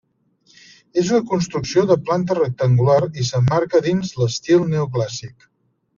És una construcció de planta rectangular i s'emmarca dins l'estil neoclàssic.